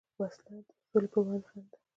وسله د سولې پروړاندې خنډ ده